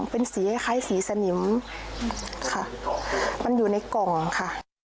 เป็นสีคล้ายสีสนิมค่ะมันอยู่ในกล่องค่ะ